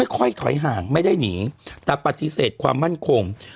ค่อยถอยห่างไม่ได้หนีแต่ปฏิเสธความมั่นคง